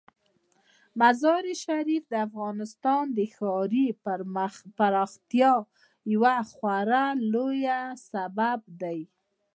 مزارشریف د افغانستان د ښاري پراختیا یو خورا لوی سبب دی.